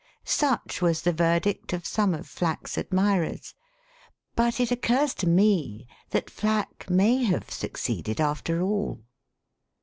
'*Such was the verdict of some of Flack's aid mirers. But it occurs to me that Flack may have succeeded after all.